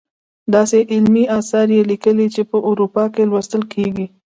داسې علمي اثار یې لیکلي چې په اروپا کې لوستل کیږي.